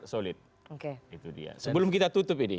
sebelum kita tutup ini